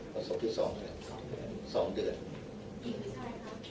แล้วศพที่๒เดือน